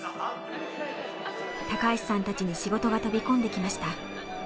高橋さんたちに仕事が飛び込んできました。